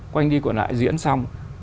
quanh đi quẩn lại diễn xong